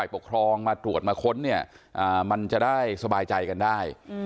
ปกครองมาตรวจมาค้นเนี่ยมันจะได้สบายใจกันได้